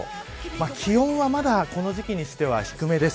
気温は、まだこの時期にしては低めです。